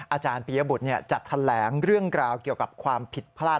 อาจารย์ปียบุตรจัดแถลงเรื่องกล่าวเกี่ยวกับความผิดพลาด